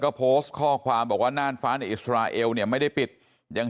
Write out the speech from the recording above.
ก็โพสต์ข้อความบอกว่าน่านฟ้าในอิสราเอลเนี่ยไม่ได้ปิดยัง